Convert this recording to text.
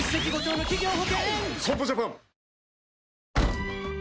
損保ジャパン